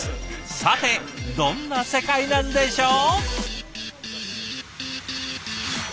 さてどんな世界なんでしょう？